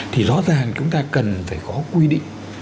thì rõ ràng chúng ta cần phải có quy định